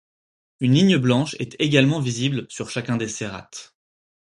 Une ligne blanche est également visible sur chacun des cérates.